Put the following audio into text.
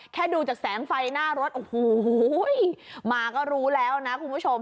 ดูจากแสงไฟหน้ารถโอ้โหมาก็รู้แล้วนะคุณผู้ชม